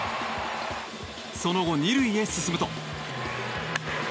その後、２塁へ進むと。